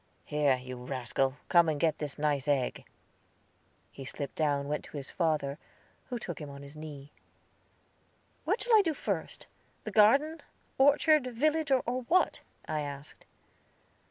"Here, you rascal, come and get this nice egg." He slipped down, went to his father, who took him on his knee. "What shall I do first? the garden, orchard, village, or what?" I asked.